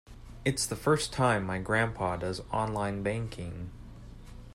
It's the first time my grandpa does online banking.